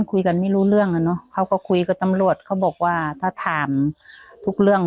คุยกันไม่รู้เรื่องอ่ะเนอะเขาก็คุยกับตำรวจเขาบอกว่าถ้าถามทุกเรื่อง